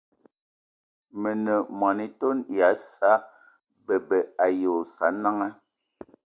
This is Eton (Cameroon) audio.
Me ne mô-etone ya Sa'a bebe y Osananga